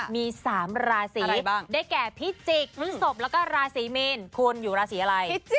มี๓ราศีได้แก่พิจิกษบแล้วก็ราศีมีนคุณอยู่ราศีอะไร